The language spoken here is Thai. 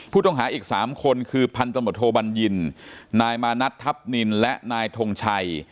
ผู้ต้องหาอีก๓คนคือพันตำรวจโทบัญญินนายมานัดทัพนินและนายทงชัย